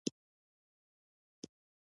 ځنګل د اوبو سرچینې ساتي.